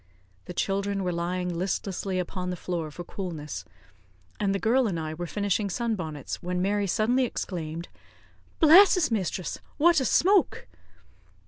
The children were lying listlessly upon the floor for coolness, and the girl and I were finishing sun bonnets, when Mary suddenly exclaimed, "Bless us, mistress, what a smoke!"